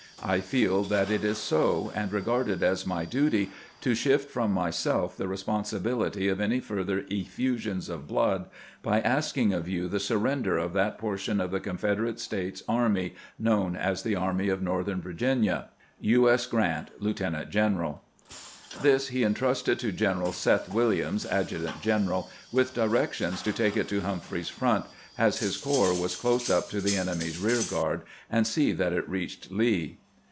I feel that it is so, and regard it as my duty to shift from myself the responsibility of any fur ther effusion of blood by asking of you the surrender of that 460 CAMPAIGNING WITH GRANT portion of the Confederate States army known as the Army of Northern Virginia. U. S. Grant, Lieutenant general. This lie intrusted to Greneral Seth. Williams, adjutant general, with directions to take it to Humphreys's front, as his corps was close up to the enemy's rear guard, and see that it reached Lee.